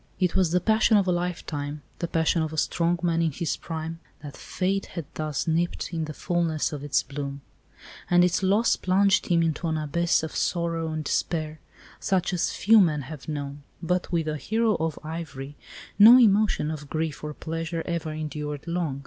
It was the passion of a lifetime, the passion of a strong man in his prime, that fate had thus nipped in the fullness of its bloom; and its loss plunged him into an abyss of sorrow and despair such as few men have known. But with the hero of Ivry no emotion of grief or pleasure ever endured long.